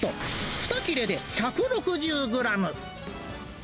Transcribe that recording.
２切れで１６０グラム。